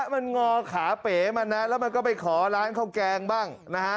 มันงอขาเป๋มาแล้วมันก็ไปขอร้านของแกงบ้าง